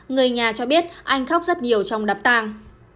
người nhà cho biết anh khóc rất nhiều trong nắp tàng